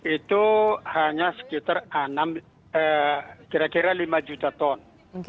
itu hanya sekitar kira kira lima juta ton